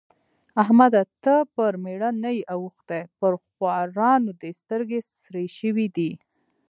احمده! ته پر مېړه نه يې اوښتی؛ پر خوارانو دې سترګې سرې شوې دي.